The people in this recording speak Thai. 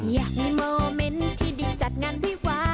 อยากมีโมเม้นท์ที่ได้จัดงานดีไหว